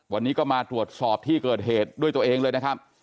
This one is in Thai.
วันนี้ก็มาตรวจสอบที่เกิดเหตุด้วยตัวเองเลยนะครับ